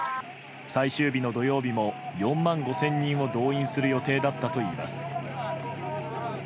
最終日の土曜日も４万５０００人を動員する予定だったといいます。